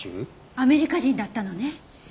アメリカ人だったのね。